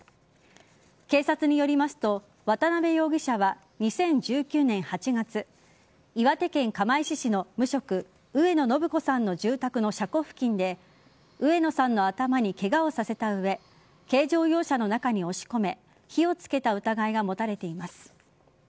警察によりますと渡部容疑者は２０１９年８月岩手県釜石市の無職上野誠子さんの住宅の車庫付近で上野さんの頭にケガをさせた上軽乗用車の中に押し込め火をつけた疑いが持たれています。